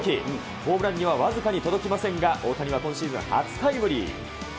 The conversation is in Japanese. ホームランには僅かに届きませんが、大谷は今シーズン初タイムリー。